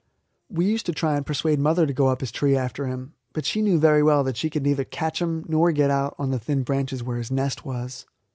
We used to try and persuade mother to go up his tree after him, but she knew very well that she could neither catch him nor get out on the thin branches where his nest was.